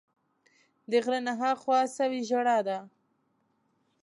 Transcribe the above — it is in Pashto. د غره نه ها خوا سوې ژړا ده